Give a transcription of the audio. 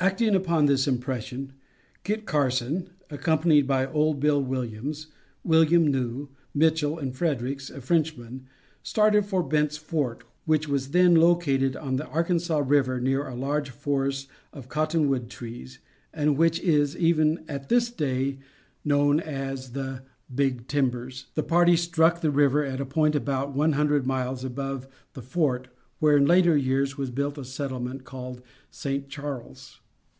Acting upon this impression Kit Carson, accompanied by "Old Bill Williams," William New, Mitchell and Fredericks, a Frenchman, started for Bent's Fort, which was then located on the Arkansas River near a large forest of cotton wood trees, and which is, even at this day, known as the "Big Timbers." The party struck the river at a point about one hundred miles above the Fort, where, in later years, was built a settlement called St. Charles.